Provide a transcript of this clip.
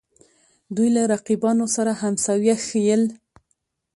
دوی له رقیبانو سره همسویه ښييل